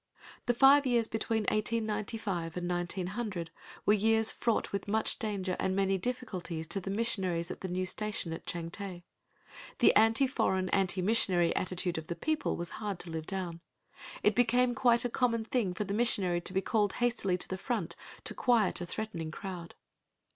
* The five years between 1895 and 1900 were years fraught with much danger and many difficulties to the missionaries at the new station at Changte. The anti foreign, anti missionary attitude of the people was hard to live down. It became quite a common thing for the missionary to be called hastily to the front to quiet a threatening crowd.